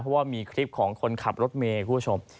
เพราะว่ามีคลิปของคนขับรถเมย์คุณผู้ชม